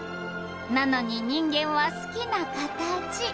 なのに人間は好きなカタチ。